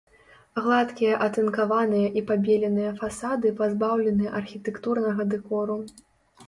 Гладкія атынкаваныя і пабеленыя фасады пазбаўлены архітэктурнага дэкору.